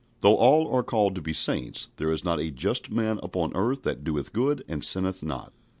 Though all are called to be saints, "there is not a just man upon earth that doeth good, and sinneth not."